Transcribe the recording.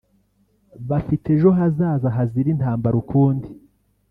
bafite ejo hazaza hazira intambara ukundi